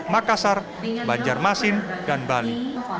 makassar banjarmasin dan bali